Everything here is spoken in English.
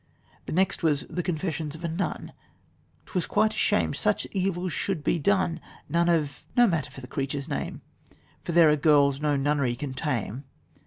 The next was 'The Confessions of a Nun' 'Twas quite a shame such evils should be done. Nun of no matter for the creature's name, For there are girls no nunnery can tame.